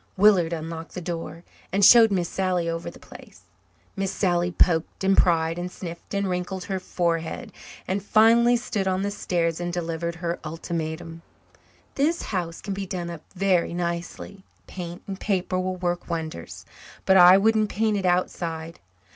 Willard unlocked the door and showed Miss Sally over the place. Miss Sally poked and pried and sniffed and wrinkled her forehead, and finally stood on the stairs and delivered her ultimatum. "This house can be done up very nicely. Paint and paper will work wonders. But I wouldn't paint it outside.